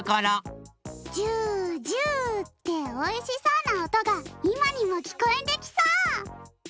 ジュジュっておいしそうなおとがいまにもきこえてきそう！